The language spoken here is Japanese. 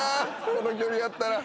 この距離だったら。